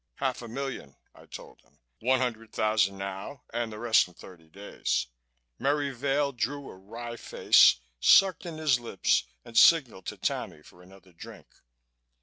"Half a million," I told him. "One hundred thousand now and the rest in thirty days." Merry Vail drew a wry face, sucked in his lips and signaled to Tammy for another drink.